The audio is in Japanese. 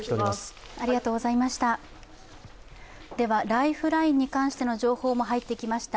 ライフラインに関しての情報も入ってきました。